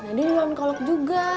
ada yang jual kolak juga